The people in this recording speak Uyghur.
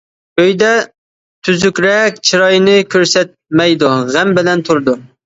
ئۆيدە تۈزۈكرەك چىرايىنى كۆرسەتمەيدۇ غەم بىلەن تۇرىدۇ.